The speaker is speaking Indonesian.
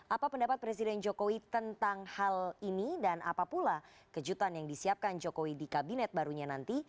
apa pendapat presiden jokowi tentang hal ini dan apa pula kejutan yang disiapkan jokowi di kabinet barunya nanti